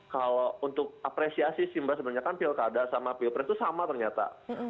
kalau untuk apresiasi sih mbak sebenarnya kan pilkada sama pilpres itu sama ternyata